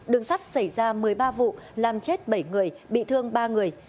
đường sắt xảy ra một mươi ba vụ làm chết bảy người bị thương ba người